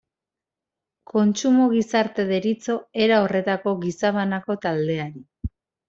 Kontsumo gizarte deritzo era horretako gizabanako taldeari.